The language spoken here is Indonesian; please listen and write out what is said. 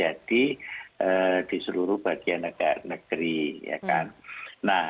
jadi di seluruh bagian negara negara